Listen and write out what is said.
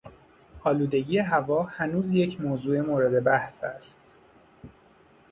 آلودگی هوا هنوز یک موضوع مورد بحث است.